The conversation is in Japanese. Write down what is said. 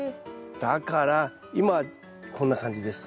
だから今はこんな感じです。